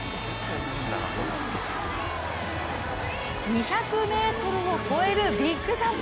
２００ｍを超えるビッグジャンプ。